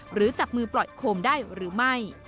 หรือจับมือปล่อยโคมได้หรือไม่